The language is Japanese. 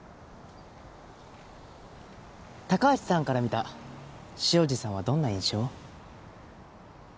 高橋さんから見た潮路さんはどんな印象？